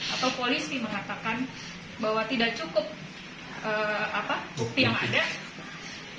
atau polisi mengatakan bahwa tidak cukup bukti yang ada